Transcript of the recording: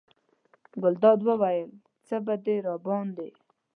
ګلداد وویل: څه به دې راباندې.